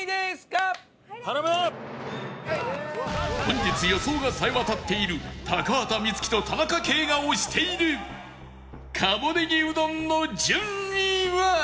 本日予想がさえ渡っている高畑充希と田中圭が推している鴨ねぎうどんの順位は？